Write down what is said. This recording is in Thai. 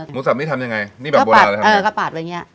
หมูซับนี้ทำยังไงนี่แบบโบราณ่ะทำอย่างงี้